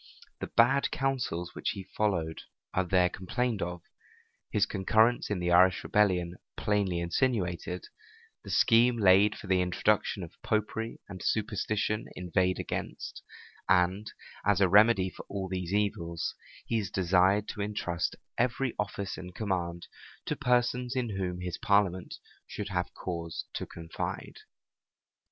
The bad counsels which he followed are there complained of; his concurrence in the Irish rebellion plainly insinuated; the scheme laid for the introduction of Popery and superstition inveighed against; and, as a remedy for all these evils, he is desired to intrust every office and command to persons in whom his parliament should have cause to confide.